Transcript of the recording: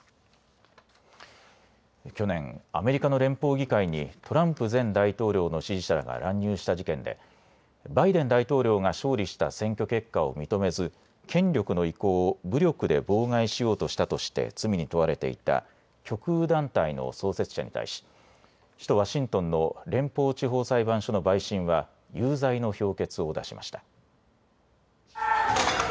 去年、アメリカの連邦議会にトランプ前大統領の支持者らが乱入した事件でバイデン大統領が勝利した選挙結果を認めず権力の移行を武力で妨害しようとしたとして罪に問われていた極右団体の創設者に対し首都ワシントンの連邦地方裁判所の陪審は有罪の評決を出しました。